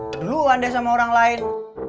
keduluan deh sama orang lain